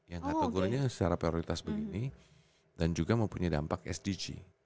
yang kategorinya secara prioritas begini dan juga mempunyai dampak sdg